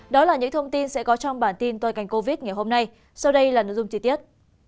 đó là những thông tin sẽ có trong bản tin tồi cảnh covid ngày hôm nay sau đây là nội dung chi tiết